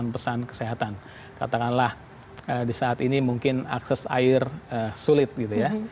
untuk bagaimana menyampaikan pesan pesan kesehatan katakanlah di saat ini mungkin akses air sulit gitu ya